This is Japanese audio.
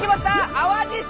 淡路島！